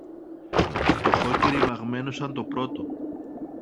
φτωχό και ρημαγμένο σαν το πρώτο.